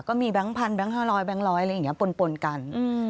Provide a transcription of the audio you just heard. ก็มีแบงค์พันแบงค์ห้าร้อยแบงค์ร้อยอะไรอย่างนี้ปนกัน